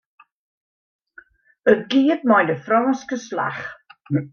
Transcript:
It giet mei de Frânske slach.